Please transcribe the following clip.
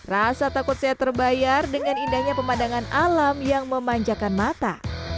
rasa takut saya terbayar dengan indahnya pemandangan alam yang memanjakan mata